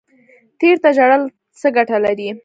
تیر ته ژړل څه ګټه لري؟